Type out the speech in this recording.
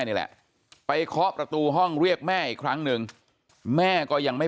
นี่แหละไปเคาะประตูห้องเรียกแม่อีกครั้งหนึ่งแม่ก็ยังไม่